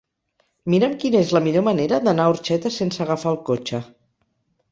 Mira'm quina és la millor manera d'anar a Orxeta sense agafar el cotxe.